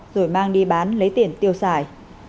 rồi mang đi bán lấy tiền tiêu xài